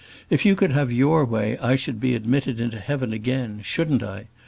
If you could have your way I should be admitted into heaven again; shouldn't I?